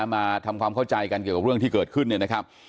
มาทำความเข้าใจกันเกี่ยวกับเรื่องที่เกิดขึ้นเนี่ยนะครับ